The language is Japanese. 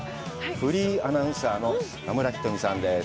フリーアナウンサーの中村仁美さんです。